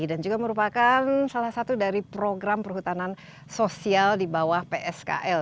dan juga merupakan salah satu dari program perhutanan sosial di bawah pskl